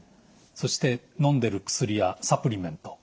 そしてのんでる薬やサプリメント。